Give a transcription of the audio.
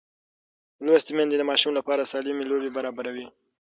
لوستې میندې د ماشوم لپاره سالمې لوبې برابروي.